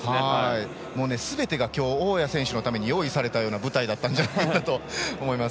すべてが今日、大矢選手のために用意されたような舞台だったんじゃないかと思います。